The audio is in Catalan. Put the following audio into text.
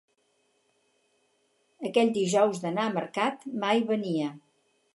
Aquell dijous d'anar a mercat mai venia